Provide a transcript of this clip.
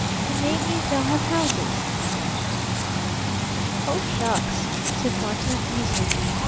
"And maybe they'll have houses!" "Oh, shucks!" said Barton uneasily.